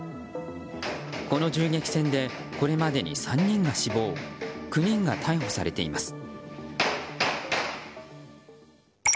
この銃撃戦でこれまでに３人が死亡９人が逮捕されています。